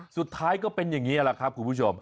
สุดท้ายก็เป็นอย่างนี้แหละครับคุณผู้ชม